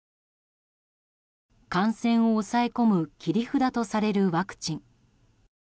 感染を抑え込む切り札とされるワクチン。